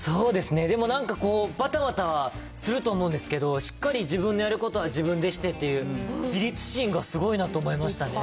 でもなんかこう、ばたばたはすると思うんですけど、しっかり自分のやることは自分でしてっていう、自立心がすごいなと思いましたね。